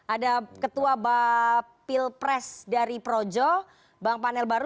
ada ketua bapil pres dari projo bang panel baru